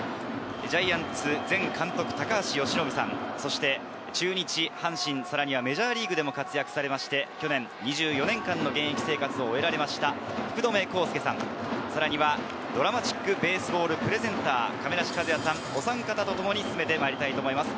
ジャイアンツ前監督・高橋由伸さん、そして中日、阪神、さらにはメジャーリーグで活躍されまして、去年２４年間の現役生活を終えられました、福留孝介さん、さらにはＤＲＡＭＡＴＩＣＢＡＳＥＢＡＬＬプレゼンター・亀梨和也さん、お三方とともに進めてまいります。